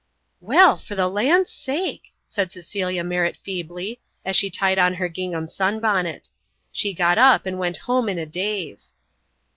"Well, for the land's sake," said Cecilia Merritt feebly, as she tied on her gingham sunbonnet. She got up and went home in a daze.